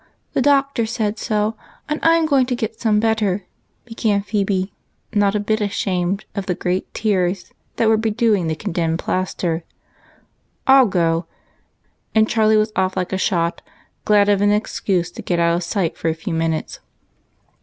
The Doctor said so, and I 'm going to get some better," began Phebe, not a bit ashamed of the great tears that were bedewing the condemned plaster. " I '11 go !" and Charlie was off like a shot, glad of an excuse to get out of sight for a few minutes.